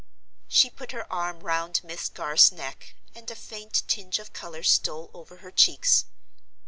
She put her arm round Miss Garth's neck, and a faint tinge of color stole over her cheeks.